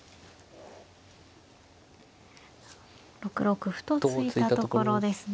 ６六歩と突いたところですね。